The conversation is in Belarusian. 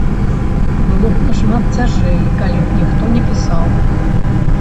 Было б нашмат цяжэй, калі б ніхто не пісаў.